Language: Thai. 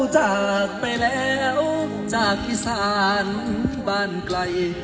จากไปแล้วจากอีสานบ้านไกล